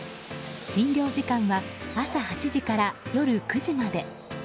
診療時間は朝８時から夜９時まで。